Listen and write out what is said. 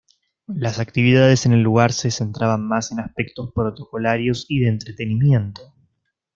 Las actividades en el lugar se centraban más en aspectos protocolarios y de entretenimiento.